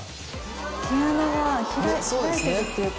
毛穴が開いてるっていうか。